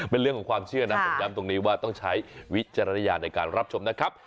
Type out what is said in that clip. เป็นเรื่องของความเชื่อนะผมย้ำตรงนี้ว่าต้องใช้วิจารณญาณในการรับชมนะครับ